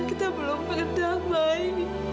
kita belum berdamai